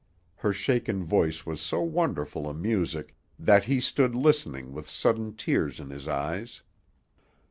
Her shaken voice was so wonderful a music that he stood listening with sudden tears in his eyes.